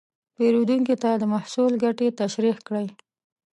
پیرودونکي ته د محصول ګټې تشریح کړئ.